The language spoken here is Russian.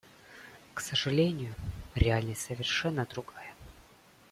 К сожалению, реальность совершенно другая.